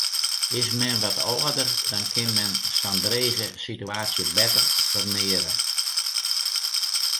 Is men wat âlder, dan kin men sa'n drege sitewaasje better ferneare.